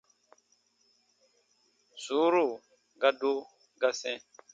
Sùuru ga do, ga sɛ̃.